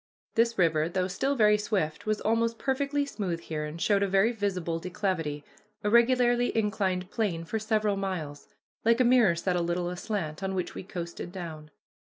This river, though still very swift, was almost perfectly smooth here, and showed a very visible declivity, a regularly inclined plane, for several miles, like a mirror set a little aslant, on which we coasted down.